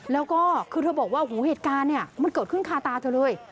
แล้วก็คือเธอบอกว่าหูเหตุการณ์เนี่ยมันเกิดขึ้นคาตาเธอเลย